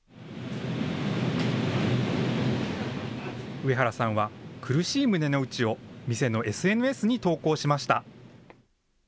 上原さんは、苦しい胸の内を店のＳＮＳに投稿しました。